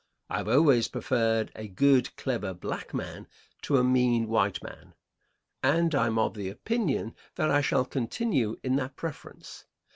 I have always preferred a good, clever black man to a mean white man, and I am of the opinion that I shall continue in that preference.